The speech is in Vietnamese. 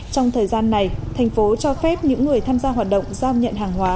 trong thời gian này thành phố cho phép những người tham gia hoạt động giao nhận hàng hóa